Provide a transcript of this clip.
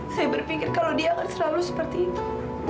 saya berpikir kalau dia akan selalu seperti itu